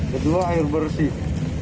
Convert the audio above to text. kedua air bersih